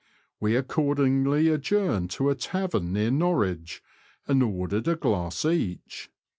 We accord ingly adjourned to a tavern near Norwich, and ordered a glass each.